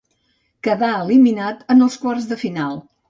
Quedà eliminat en els quarts de final.